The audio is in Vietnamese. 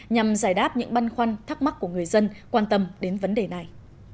nhằm giải đáp những băn khoăn thắc mắc của người dân quan tâm đến vấn đề này